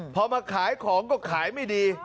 พอมาขายของก็ขายไม่ดี